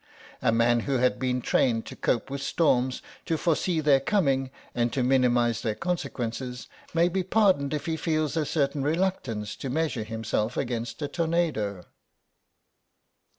A man who has been trained to cope with storms, to foresee their coming, and to minimise their consequences, may be pardoned if he feels a certain reluctance to measure himself against a tornado.